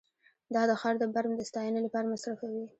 دا د ښار د برم د ستاینې لپاره مصرفوي